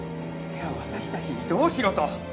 私たちにどうしろと？